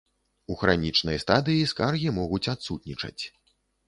У хранічнай стадыі скаргі могуць адсутнічаць.